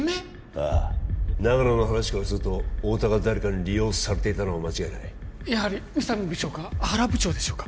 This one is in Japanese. ああ長野の話からすると太田が誰かに利用されていたのは間違いないやはり宇佐美部長か原部長でしょうか？